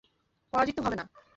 পরাজিত হবে না।